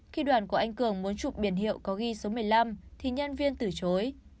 khi đoàn của anh cường muốn chụp biển hiệu có ghi số một mươi năm thì nhân viên từ chối